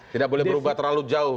tidak boleh berubah terlalu jauh